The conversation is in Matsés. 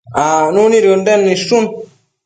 acnu nid Ënden nidshun